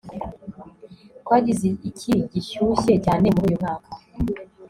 twagize icyi gishyushye cyane muri uyu mwaka